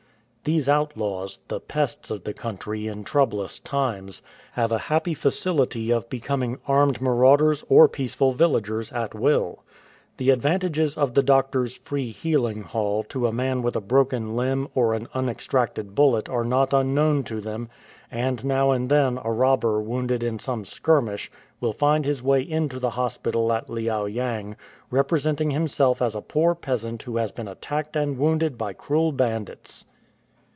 These outlaws, the pests of the country in troublous times, have a happy facility of becoming armed marauders or peaceful villagers at will. The advantages of the doctor's "Free Healing Hall" to a man with a broken limb or an unextracted bullet are not unknown to them, and now and then a robber w^ounded in some skirmish will find his way into the hospital at Liao yang, representing himself as a poor peasant who has been attacked and w^ounded by cruel bandits.